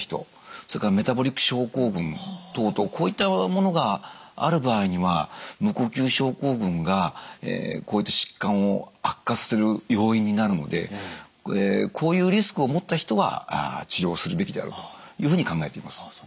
それからメタボリック症候群等々こういったものがある場合には無呼吸症候群が疾患を悪化させる要因になるのでこういうリスクを持った人は治療するべきであるというふうに考えています。